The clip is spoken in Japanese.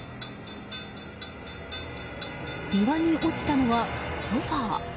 庭に落ちたのは、ソファ。